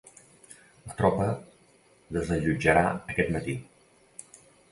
La tropa desallotjarà aquest matí.